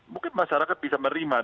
mungkin masyarakat bisa menerima